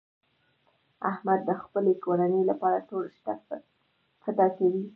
احمد د خپلې کورنۍ لپاره ټول شته فدا کوي.